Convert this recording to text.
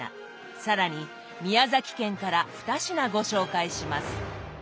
更に宮崎県から２品ご紹介します。